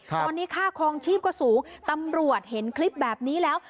ตอนนี้ค่าคลองชีพก็สูงตำรวจเห็นคลิปแบบนี้แล้ว